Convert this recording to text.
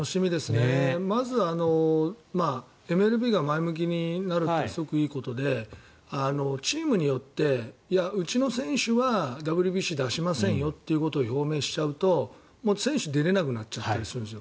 まず、ＭＬＢが前向きになるってすごくいいことでチームによって、うちの選手はＷＢＣ出しませんよということを表明しちゃうと選手は出れなくなっちゃったりするんですよ。